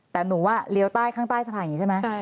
แต่หนูว่าเลี้ยวใต้ข้างใต้สะพานอย่างนี้ใช่ไหม